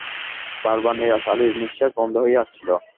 বারবার নিসার আলির নিঃশ্বাস বন্ধ হয়ে আসছিল।